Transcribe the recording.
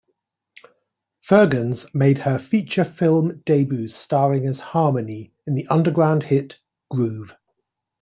Firgens made her feature film debut starring as Harmony in the underground hit "Groove".